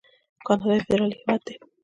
کاناډا یو فدرالي هیواد دی.